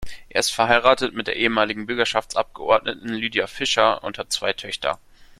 Er ist verheiratet mit der ehemaligen Bürgerschaftsabgeordneten Lydia Fischer und hat zwei Töchter.